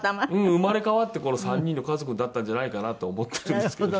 生まれ変わってこの３人の家族になったんじゃないかなと思ってるんですけど。